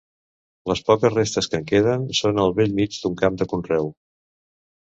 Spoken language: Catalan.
Les poques restes que en queden són al bell mig d'un camp de conreu.